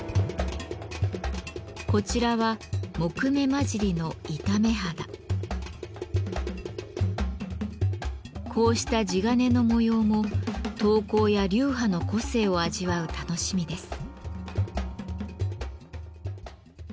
こちらはこうした地鉄の模様も刀工や流派の個性を味わう楽しみです。